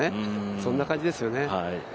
そんな感じですよね。